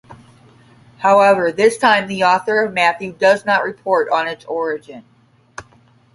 However, this time the author of Matthew does not report on its origin.